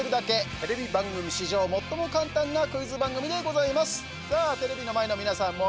テレビ番組史上最も簡単なクイズ番組でございます。